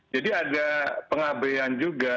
jadi ada pengabeyaan juga